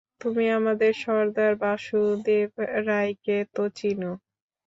তুমি আমাদের সর্দার বাসুদেব রাইকে তো চিনো?